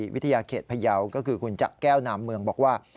วิทยาเขตพยาวก็คือคุณจะแก้วนามเมืองบอกว่า